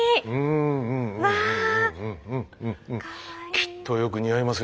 きっとよく似合いますよ。